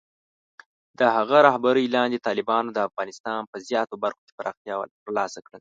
د هغه رهبرۍ لاندې، طالبانو د افغانستان په زیاتره برخو کې پراختیا ترلاسه کړه.